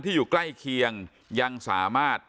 อยู่ใกล้เคียงยังสามารถ